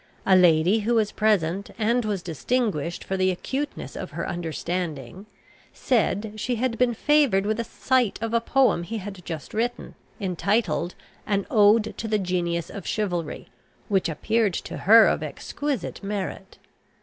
A lady, who was present, and was distinguished for the acuteness of her understanding, said, she had been favoured with a sight of a poem he had just written, entitled An Ode to the Genius of Chivalry, which appeared to her of exquisite merit.